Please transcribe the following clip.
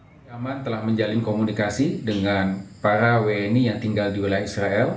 indiaman telah menjalin komunikasi dengan para wni yang tinggal di wilayah israel